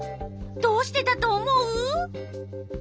どうしてだと思う？